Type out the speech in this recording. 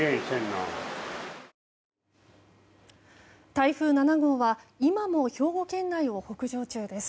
台風７号は今も兵庫県内を北上中です。